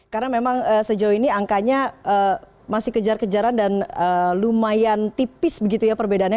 karena memang sejauh ini angkanya masih kejar kejaran dan lumayan tipis begitu ya perbedaannya